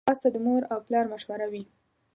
ځغاسته د مور او پلار مشوره وي